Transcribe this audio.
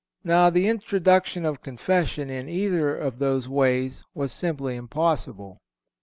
Now, the introduction of Confession in either of those ways was simply impossible.